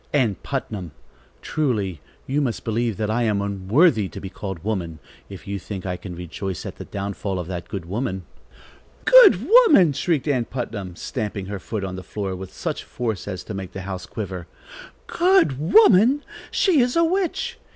"Ann Putnam, truly you must believe that I am unworthy to be called woman, if you think I can rejoice at the downfall of that good woman." "Good woman!" shrieked Ann Putnam, stamping her foot on the floor with such force as to make the house quiver. "Good woman! She is a witch!